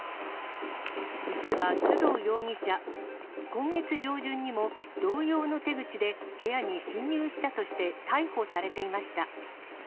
実は須藤容疑者、今月上旬にも同様の手口で部屋に侵入したとして逮捕されていました。